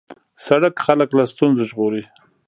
سړک خلک له ستونزو ژغوري.